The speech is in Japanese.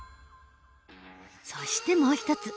そしてもう一つ。